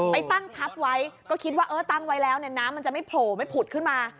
ไปตั้งทับไว้ก็คิดว่าเออตั้งไว้แล้วเนี่ยน้ำมันจะไม่โผล่ไม่ผุดขึ้นมา